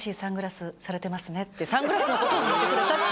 サングラスのことを褒めてくれたって。